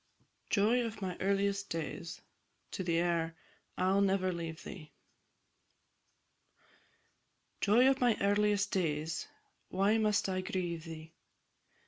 JOY OF MY EARLIEST DAYS. AIR "I'll never leave thee." Joy of my earliest days, Why must I grieve thee?